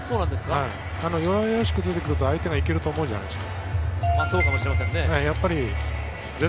弱々しく出てくると相手がいけると思うじゃないですか。